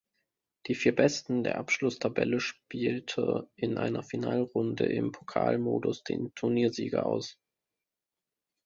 Die vier Besten der Abschlusstabelle spielte in einer Finalrunde im Pokalmodus den Turniersieger aus.